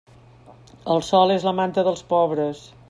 El sol és la manta dels pobres.